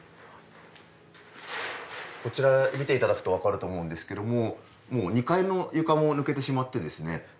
こちら見て頂くとわかると思うんですけどももう２階の床も抜けてしまってですね